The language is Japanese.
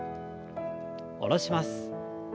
下ろします。